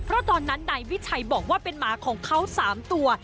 เพราะตอนนั้นนายวิชัยบอกว่าเป็นหมาของเขา๓ตัว